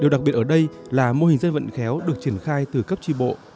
điều đặc biệt ở đây là mô hình dân vận khéo được triển khai từ cấp tri bộ